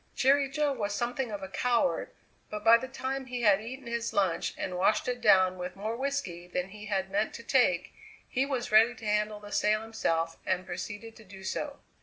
Jerry Jo was something of a coward, but by the time he had eaten his lunch and washed it down with more whisky than he had meant to take, he was ready to handle the sail himself and proceeded to do so.